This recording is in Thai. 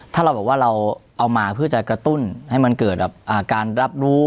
ถ้าเราบอกว่าเราเอามาเพื่อจะกระตุ้นให้มันเกิดการรับรู้